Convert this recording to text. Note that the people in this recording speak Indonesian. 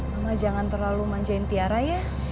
mama jangan terlalu manjain tiara ya